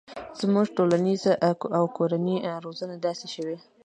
زموږ ټولنیزه او کورنۍ روزنه داسې شوي